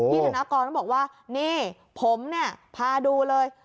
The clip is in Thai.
พี่ธนกรมันบอกว่าเนี่ยผมเนี่ยพาดูเลย